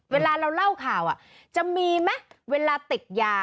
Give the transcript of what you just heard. เวลาเราเล่าข่าวจะมีไหมเวลาติดยา